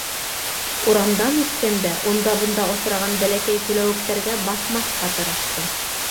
Урамдан үткәндә унда-бында осраған бәләкәй күләүектәргә баҫмаҫҡа тырышты.